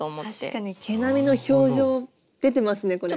確かに毛並みの表情出てますねこれ。